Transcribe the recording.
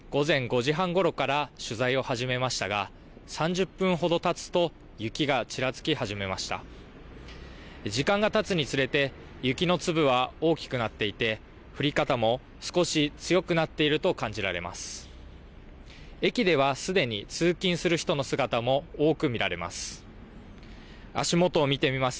時間がたつにつれて、雪の粒は大きくなっていて、降り方も少し強くなっていると感じられます。